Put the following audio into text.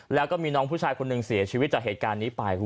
แล้วก็มีน้องผู้ชายคนหนึ่งเสียชีวิตจากเหตุการณ์นี้ไป